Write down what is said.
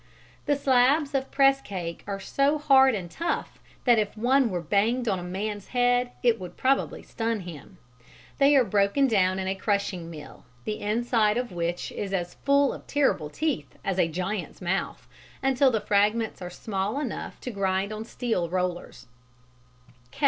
_ The slabs of press cake are so hard and tough that if one were banged on a man's head it would probably stun him. They are broken down in a crushing mill, the inside of which is as full of terrible teeth as a giant's mouth, until the fragments are small enough to grind on steel rollers.